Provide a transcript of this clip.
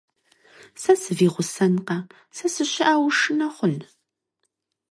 Сэ сывигъусэнкъэ, сэ сыщыӀэу ушынэ хъун?